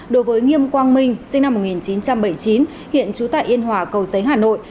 đối với nghiêm quang minh sinh năm một nghìn chín trăm bảy mươi chín hiện trú tại yên hòa cầu giấy hà nội